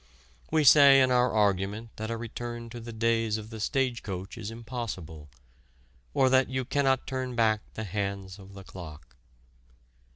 We say in our argument that a return to the days of the stage coach is impossible or that "you cannot turn back the hands of the clock."